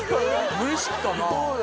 無意識かな？